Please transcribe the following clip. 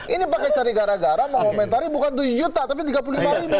ini pakai cari gara gara mengomentari bukan tujuh juta tapi tiga puluh lima ribu